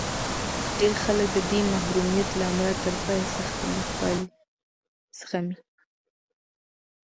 ډېر خلک د دې محرومیت له امله تر پایه سختې ناخوالې زغمي